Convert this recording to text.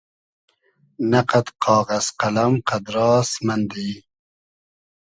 نۂ قئد قاغئز قئلئم قئدراس مئندی